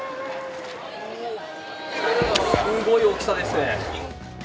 すごい大きさですね。